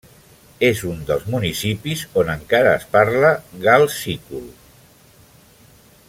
És un dels municipis on encara es parla gal-sícul.